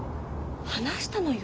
話したのよ。